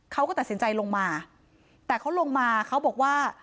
เขาก็ตัดสินใจลงมาแต่เขาลงมาเขาบอกว่า